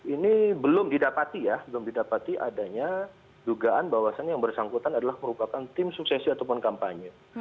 ini belum didapati ya belum didapati adanya dugaan bahwasannya yang bersangkutan adalah merupakan tim suksesi ataupun kampanye